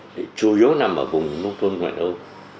thì chủ yếu nằm ở vùng nông thôn ngoài đâu